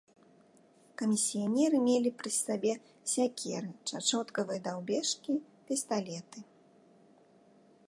Камісіянеры мелі пры сабе сякеры, чачоткавыя даўбежкі, пісталеты.